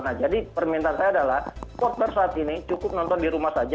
nah jadi permintaan saya adalah supporter saat ini cukup nonton di rumah saja